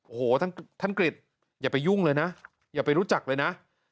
โอ้โหท่านกริจอย่าไปยุ่งเลยนะอย่าไปรู้จักเลยนะ